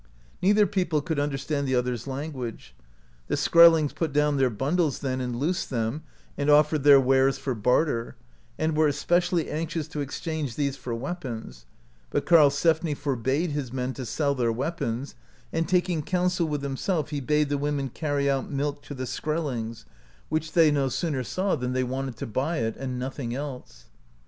Neither [people] could understand the other's language. The Skrellings put down their bun dles then, and loosed them, and offered their wares [for barter], and were especially anxious to exchange these for weapons, but Karlsefni forbade his men to sell their weapons, and taking counsel with himself, he bade the women carry out milk to the Skrellings, which they no 93 AMERICA DISCOVERED BY NORSEMEN sooner saw than they wanted to buy it, and nothing else.